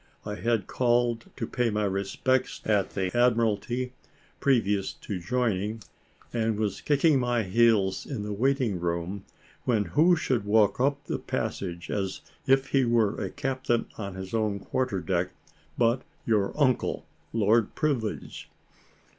I had called to pay my respects at the Admiralty, previous to joining, and was kicking my heels in the waiting room, when who should walk up the passage, as if he were a captain on his own quarter deck, but your uncle, Lord Privilege.